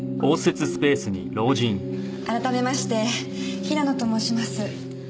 改めまして平野と申します。